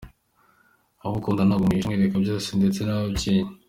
Uwo ukunda ntabwo umuhisha umwereka bose ndetse n’ababyeyi.